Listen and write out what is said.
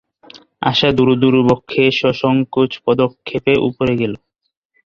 আশা দুরুদুরু বক্ষে সসংকোচ পদক্ষেপে উপরে গেল।